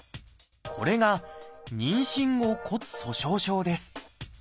これが「妊娠後骨粗しょう症」です。